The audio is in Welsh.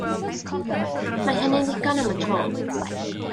Mae hynny'n ddigon am y tro.